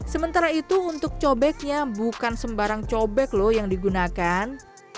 sementara itu untuk cobeknya bukan sembarang cobek loh yang digunakan